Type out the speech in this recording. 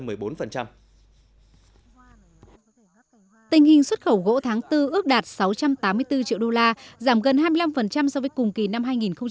tình hình xuất khẩu gỗ tháng bốn ước đạt sáu trăm tám mươi bốn triệu đô la giảm gần hai mươi năm so với cùng kỳ năm hai nghìn một mươi chín